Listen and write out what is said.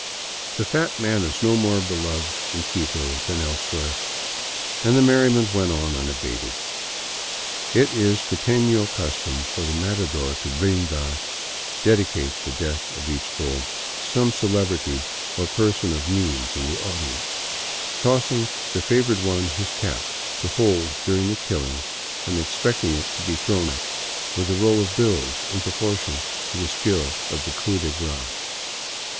The fat man is no more beloved in Quito than elsewhere, and the merriment went on unabated. It is quiteiio custom for the matador to brindar (dedicate the death of each bull) to some celebrity or person of means in the audience, tossing the favored one his cap to hold during the killing, and ex pecting it to be thrown back with a roll of bills in proportion to the skill of the coup de grace.